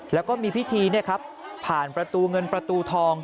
แล้วก็มีพิธีเนี่ยครับผ่านประตูเงินประตูทอง